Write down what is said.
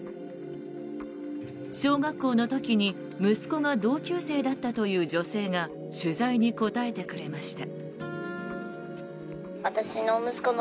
小学校の時に息子が同級生だったという女性が取材に答えてくれました。